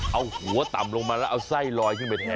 เอาหัวต่ำลงมาแล้วเอาไส้ลอยขึ้นไปไง